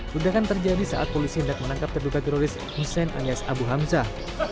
ledakan terjadi saat polisi hendak menangkap terduga teroris hussein alias abu hamzah